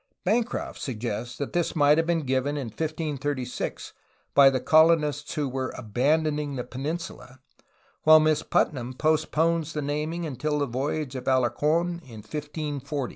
Bancroft suggests that this might have been given in 1536 by the colonists who were "abandoning the penin sula, while Miss Putnam postpones the naming until the voyage of Alarc6n in 1540.